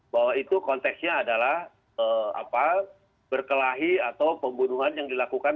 bahwa itu konteksnya adalah berkelahi atau pembunuhan yang dilakukan